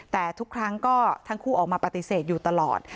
แต่ทุกครั้งก็ทั้งคู่ออกมาปฏิเสธอยู่ตลอด